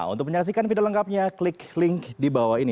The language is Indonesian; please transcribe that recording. untuk menyaksikan video lengkapnya klik link di bawah ini